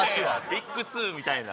ビッグ２みたいな？